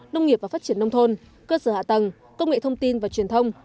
nông nghiệp và phát triển nông thôn cơ sở hạ tầng công nghệ thông tin và truyền thông